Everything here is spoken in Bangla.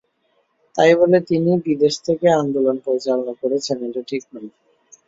তাই বলে তিনি বিদেশে থেকে আন্দোলন পরিচালনা করেছেন, এটা ঠিক নয়।